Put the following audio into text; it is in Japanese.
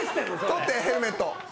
取ってヘルメット。